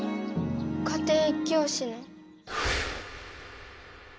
家庭教師の。